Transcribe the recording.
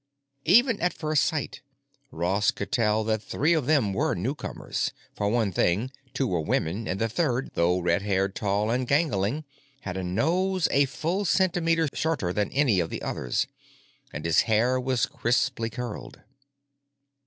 Even at first sight, Ross could tell that three of them were newcomers. For one thing, two were women; and the third, though red haired, tall and gangling, had a nose a full centimeter shorter than any of the others, and his hair was crisply curled.